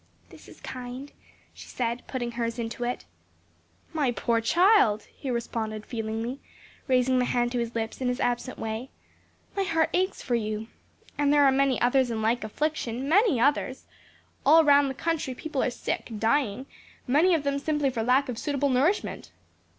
"This is kind," she said, putting hers into it. "My poor child!" he responded feelingly, raising the hand to his lips in his absent way, "my heart aches for you. And there are many others in like affliction; many others! all round the country people are sick, dying; many of them simply for lack of suitable nourishment."